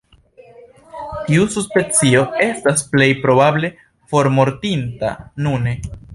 Tiu subspecio estas plej probable formortinta nune.